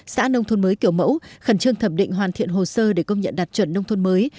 xã nông thôn mới kiểu mẫu khẩn trương thẩm định hoàn thiện hồ sơ để công nhận đạt chuẩn nông thôn mới